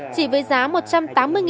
chỉ với giá một trăm tám mươi đồng